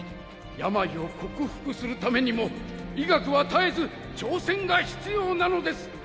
病を克服するためにも医学は絶えず挑戦が必要なのです。